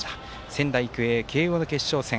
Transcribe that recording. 仙台育英、慶応の決勝戦。